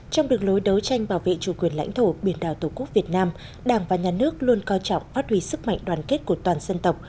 trong đường lối đấu tranh bảo vệ chủ quyền lãnh thổ biển đảo tổ quốc việt nam đảng và nhà nước luôn coi trọng phát huy sức mạnh đoàn kết của toàn dân tộc